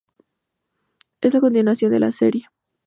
Es la continuación de la serie".